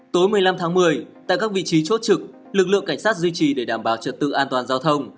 tối một mươi năm tháng một mươi tại các vị trí chốt trực lực lượng cảnh sát duy trì để đảm bảo trật tự an toàn giao thông